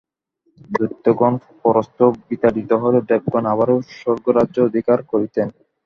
দৈত্যগণ পরাস্ত ও বিতাড়িত হইলে দেবগণ আবার স্বর্গরাজ্য অধিকার করিতেন।